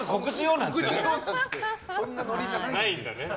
そんなノリじゃないんだ。